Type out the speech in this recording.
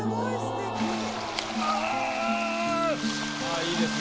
いいですね。